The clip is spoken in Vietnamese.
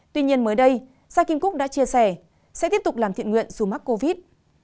tuy nhiên mới đây giang kim cúc đã chia sẻ sẽ tiếp tục làm thiện nguyện dù mắc covid